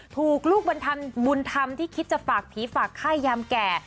ถูกลูกบุญธรรมบุญธรรมที่คิดจะฝากผีฝากไข้ยามแก่